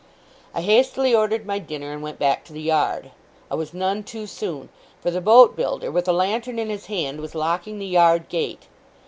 I hastily ordered my dinner, and went back to the yard. I was none too soon; for the boat builder, with a lantern in his hand, was locking the yard gate.